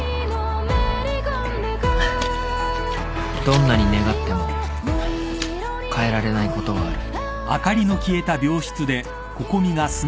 ［どんなに願っても変えられないことはある］